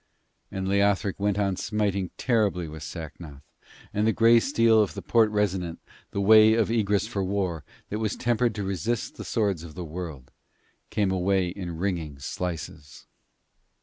And Leothric went on smiting terribly with Sacnoth, and the grey steel of the Porte Resonant, the Way of Egress for War, that was tempered to resist the swords of the world, came away in ringing slices.